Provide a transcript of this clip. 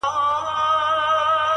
تر تا د مخه ما پر ایښي دي لاسونه،